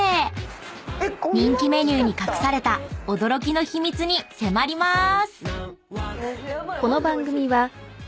［人気メニューに隠された驚きの秘密に迫りまーす！］